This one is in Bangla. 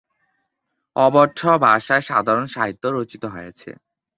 অবহট্ঠ ভাষায় সাধারণ সাহিত্যও রচিত হয়েছে।